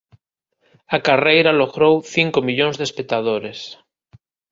A carreira logrou cinco millóns de espectadores.